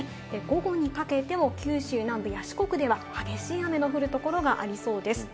午後にかけても九州南部や四国では激しい雨の降るところがありそうです。